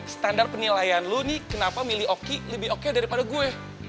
standar penilaian lu ini kenapa milih oki lebih oke daripada gue